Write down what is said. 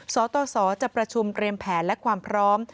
สตสจะประชุมเตรียมแผนและความพร้อม